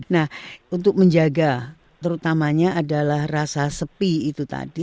nah untuk menjaga terutamanya adalah rasa sepi itu tadi